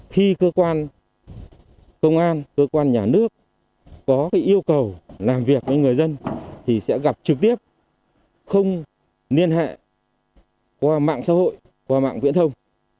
khi cơ quan công an cơ quan nhà nước có yêu cầu làm việc với người dân thì sẽ gặp trực tiếp không liên hệ qua mạng xã hội qua mạng viễn thông